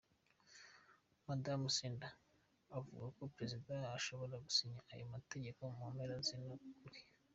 Madamu Sanders avuga ko Prezida ashobora gusinya ayo mategeko mu mpera z'ino ndwi.